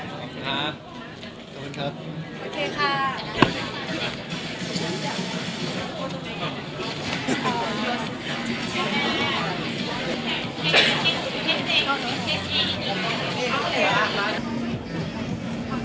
ขอบคุณครับ